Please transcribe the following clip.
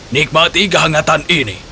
nikmati kehangatan ini